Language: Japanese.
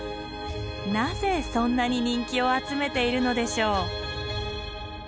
なぜそんなに人気を集めているのでしょう？